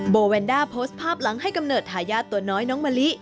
โบแวนด้าโพสต์ภาพหลังให้กำเนิดทายาทตัวน้อยน้องมะลิ